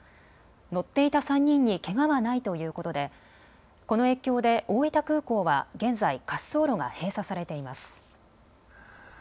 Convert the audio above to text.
乗っていた３人にけがはないということでこの影響で大分空港は現在滑走路が閉鎖されています。